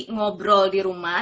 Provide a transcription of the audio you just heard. ngobrol di rumah